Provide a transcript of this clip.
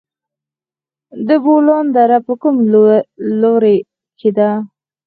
د بولان دره په کوم لوري کې ده؟